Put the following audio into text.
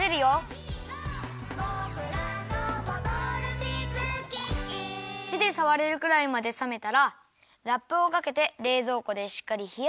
「ボクらのボトルシップキッチン」てでさわれるくらいまでさめたらラップをかけてれいぞうこでしっかりひやします。